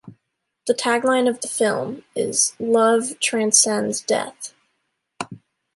The tagline of the film is "Love Transcends Death".